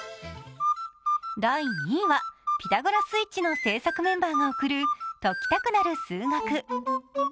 第２位は「ピタゴラスイッチ」の制作メンバーが贈る「解きたくなる数学」